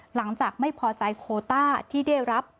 หลังจากไม่พอใจโคต้าที่ได้รับ